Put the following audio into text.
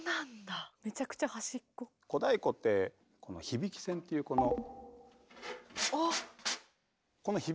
小太鼓ってこの響き線っていうこの。